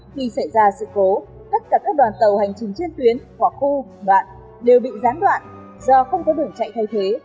khi xảy ra sự cố tất cả các đoàn tàu hành trình trên tuyến hoặc khu đoạn đều bị gián đoạn do không có đường chạy thay thế